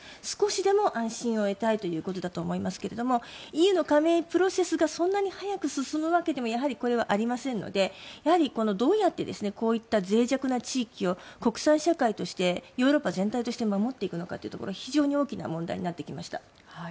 少しでも安心を得たいということだと思いますがＥＵの加盟プロセスがそんなに早く進むわけでもありませんのでどうやってこういったぜい弱な地域を国際社会としてヨーロッパ全体として守っていくのかというところは非常に大きな問題になってきました。